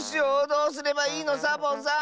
どうすればいいの⁉サボさん。